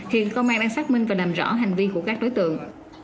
hiện công an đang xác minh và làm rõ hành vi của các đối tượng